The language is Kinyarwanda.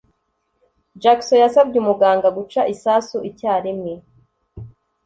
Jackson yasabye umuganga guca isasu icyarimwe.